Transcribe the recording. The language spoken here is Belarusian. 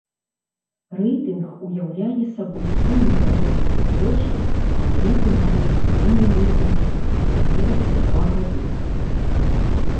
Рэйтынг уяўляе сабой суму заробленых грошай на рэйтынгавых і міні-рэйтынгавых турнірах за два гады.